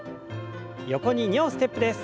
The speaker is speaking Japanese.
横に２歩ステップです。